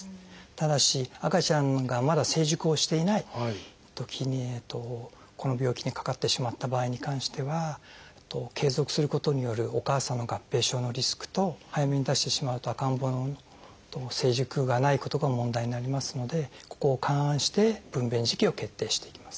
ただし赤ちゃんがまだ成熟をしていないときにこの病気にかかってしまった場合に関しては継続することによるお母さんの合併症のリスクと早めに出してしまうと赤ん坊の成熟がないことが問題になりますのでここを勘案して分娩時期を決定していきます。